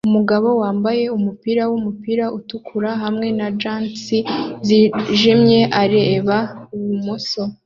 Umugabo wambaye umupira wumupira utukura hamwe na gants zijimye areba ibumoso